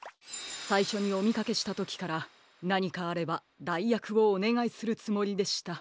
さいしょにおみかけしたときからなにかあればだいやくをおねがいするつもりでした。